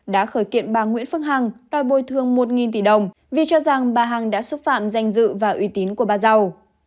đã khởi kiện bà nguyễn phương hằng đòi bồi thường một tỷ đồng vì cho rằng bà hằng đã xúc phạm danh dự và uy tín của bà giàu